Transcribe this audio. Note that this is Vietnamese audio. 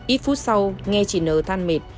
ít phút sau nghe chị n than mệt